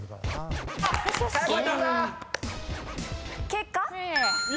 結果？